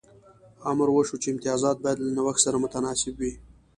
امر وشو چې امتیازات باید له نوښت سره متناسب وي